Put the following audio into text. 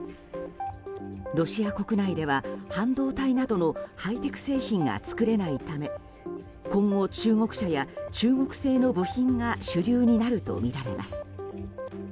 ロシア国内では、半導体などのハイテク製品が作れないため今後、中国車や中国製の部品が主流になるとみられます。